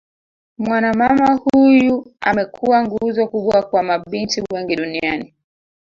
Mwana mama huyu amekuwa nguzo kubwa kwa mabinti wengi duniani